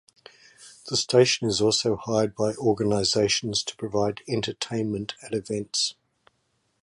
The station is also hired by organizations to provide entertainment at events.